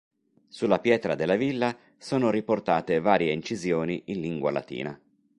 Sulla pietra della villa sono riportate varie incisioni in lingua latina.